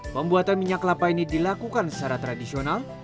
pembuatan minyak kelapa ini dilakukan secara tradisional